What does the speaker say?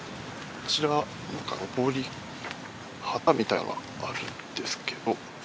こちらなんかのぼり旗みたいなのがあるんですけど。